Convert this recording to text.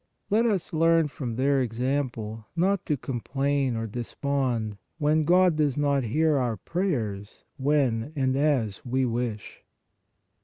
Let us learn from their THE PENITENT THIEF 109 example not to complain or despond, when God does not hear our prayers when and as we wish.